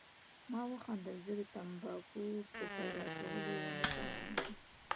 ما وخندل، زه د تمباکو په پیدا کولو ونه توانېدم.